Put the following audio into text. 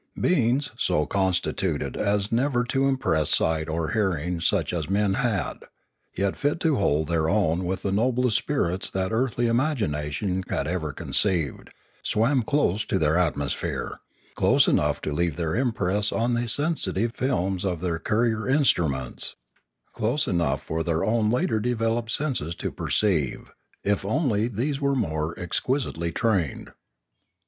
Beings, so constituted as never to impress sight or hearing such as men had, yet fit to hold their own with the noblest spirits that earthly imagination had ever conceived, swam close to their atmosphere, close enough to leave their impress on the sensitive films of their courier instruments, close enough for their own later developed senses to perceive, if only these were more exquisitely trained.